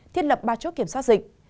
thiết lập ba chốt kiểm soát dịch